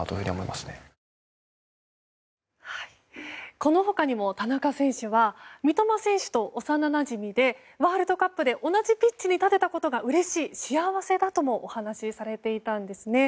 この他にも田中選手は三笘選手と幼なじみでワールドカップで同じピッチに立てたことがうれしい、幸せだともお話しされていたんですね。